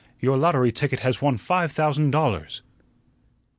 Your lottery ticket has won five thousand dollars!"